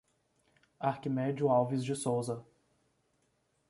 Arquimedio Alves de Souza